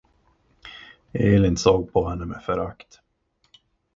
Elin såg på henne med förakt.